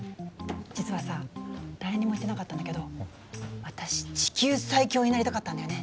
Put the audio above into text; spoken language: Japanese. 実はさ誰にも言ってなかったんだけど私地球最強になりたかったんだよね。